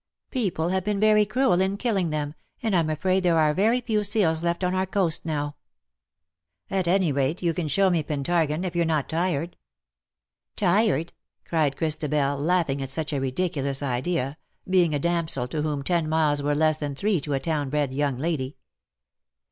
People have been very cruel in killing them, and I^m afraid there are very few seals left on our coast now." VOIi. I. I 114 ^^ LOVE ! THOU ART LEADING ME ^^ At any rate,, you can show me Pentargon^ if you are not tired/^ " Tired V cried Christabel, laughing at such a ridiculous idea, being a damsel to whom ten miles were less than three to a town bred young lady.